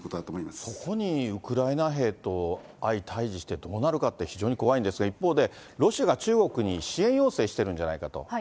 特にウクライナ兵とあい対じして、どうなるかって、非常に怖いんですが、一方で、ロシアが中国に支援要請してるんじゃないかと。